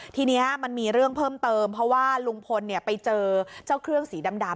ทีนี้มันมีเรื่องเพิ่มเติมเพราะว่าลุงพลไปเจอเจ้าเครื่องสีดำ